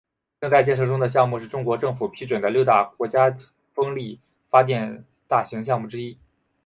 正在建设中的项目是中国政府批准的六项国家风力发电大型项目之一。